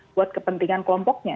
buat kepentingan kelompoknya